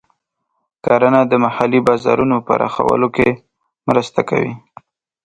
کرنه د محلي بازارونو پراخولو کې مرسته کوي.